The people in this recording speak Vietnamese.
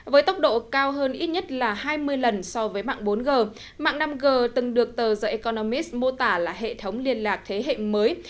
với tốc độ cao hơn ít nhất là hai mươi lần so với mạng bốn g mạng năm g từng được tờ the economist mô tả là hệ thống liên lạc thế hệ mới